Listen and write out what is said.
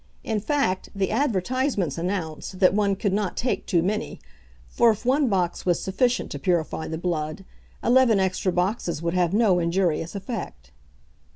In fact, the advertisements announced that one could not take too many; for if one box was sufficient to purify the blood, eleven extra boxes would have no injurious effect.